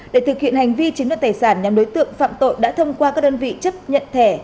để thực hiện hành vi chiếm đoạt tài sản nhóm đối tượng phạm tội đã thông qua các đơn vị chấp nhận thẻ